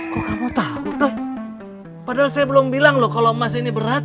kok kamu tahu padahal saya belum bilang loh kalau emas ini berat